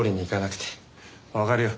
わかるよ。